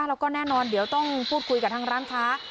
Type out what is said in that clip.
แล้วก็แน่นอนเดี๋ยวต้องพูดคุยกับทางร้านค้า